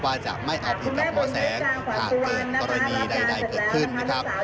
ว่าจะไม่เอาผิดกับหมอแสงหากเกิดกรณีใดเกิดขึ้นนะครับ